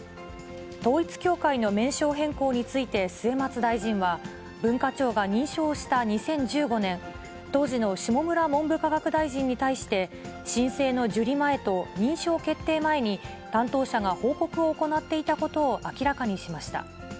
統一教会の名称変更について末松大臣は、文化庁が認証した２０１５年、当時の下村文部科学大臣に対して、申請の受理前と認証決定前に、担当者が報告を行っていたことを明らかにしました。